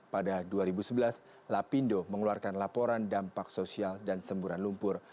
pada dua ribu sebelas lapindo mengeluarkan laporan dampak sosial dan semburan lumpur